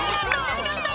ありがとう！